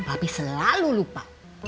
papi selalu lupa